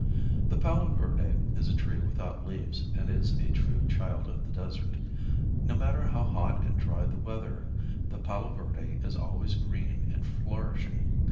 The palo verde is a tree without leaves and is a true child of the desert. No matter how hot and dry the weather the palo verde is always green and flourishing.